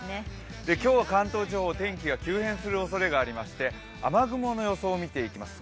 今日は関東地方、天気が急変するおそれがありまして、雨雲の予想を見ていきます。